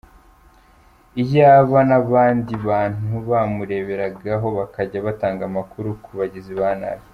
Iyaba n’abandi bantu bamureberagaho bakazajya batanga amakuru ku bagizi ba nabi.